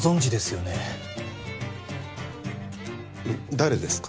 誰ですか？